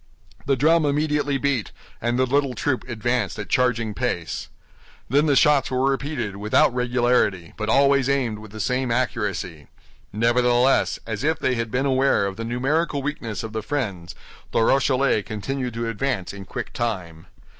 The drum immediately beat, and the little troop advanced at charging pace. Then the shots were repeated without regularity, but always aimed with the same accuracy. Nevertheless, as if they had been aware of the numerical weakness of the friends, the Rochellais continued to advance in quick time.